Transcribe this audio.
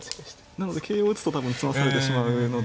なので桂を打つと多分詰まされてしまうので。